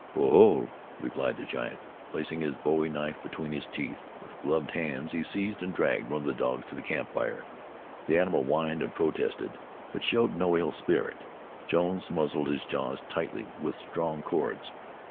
"Ho! Ho!" replied the giant. Placing his bowie knife between his teeth, with gloved hands he seized and dragged one of the dogs to the campfire. The animal whined and protested, but showed no ill spirit. Jones muzzled his jaws tightly with strong cords.